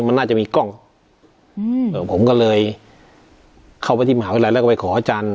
มันน่าจะมีกล้องอืมเอ่อผมก็เลยเข้าไปที่มหาวิทยาลัยแล้วก็ไปขออาจารย์